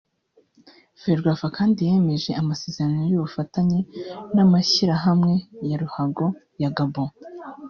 Ferwafa kandi yanemeje amasezerano y’ubufatanye n’amashyirahamwe ya ruhago ya Gabon